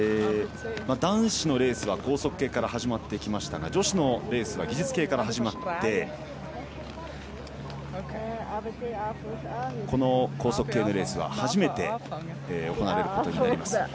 男子のレースは高速系から始まっていきましたが女子のレースは技術系から始まってこの高速系のレースは初めて行われることになります。